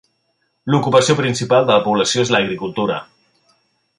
L'ocupació principal de la població és l'agricultura.